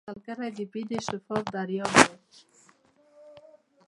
ملګری د مینې شفاف دریاب دی